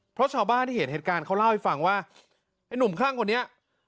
เพราะชาวบ้านที่เห็นเหตุการณ์เขาเล่าให้ฟังว่าไอ้หนุ่มคลั่งคนนี้